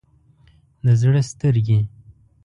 د زړه سترګې